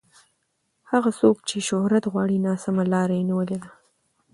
هغه څوک چې شهرت غواړي ناسمه لار یې نیولې ده.